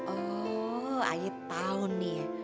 oh ayah tau nih